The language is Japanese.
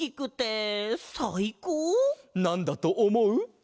なんだとおもう？